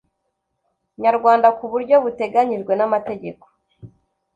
nyarwanda ku buryo buteganyijwe n'amategeko,